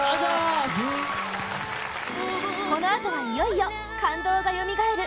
このあとはいよいよ感動がよみがえる